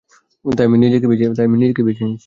তাই নিজেকেই বেছে নিয়েছি।